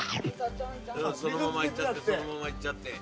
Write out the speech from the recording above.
そのままいっちゃってそのままいっちゃって。